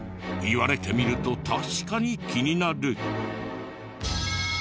言われてみると確かに気になる。